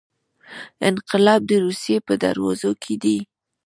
انقلاب د روسیې په دروازو کې دی.